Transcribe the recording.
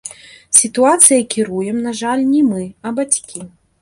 Сітуацыяй кіруем, на жаль, не мы, а бацькі.